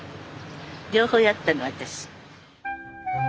両方やったの私。